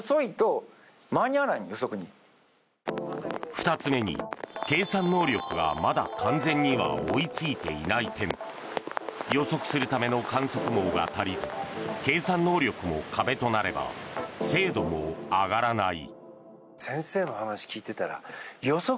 ２つ目に、計算能力がまだ完全には追いついていない点。予測するための観測網が足りず計算能力も壁となれば精度も上がらない。